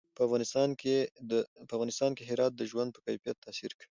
په افغانستان کې هرات د ژوند په کیفیت تاثیر کوي.